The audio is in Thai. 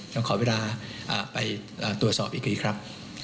ยังขอเวลาไปตรวจสอบอีกทีครับ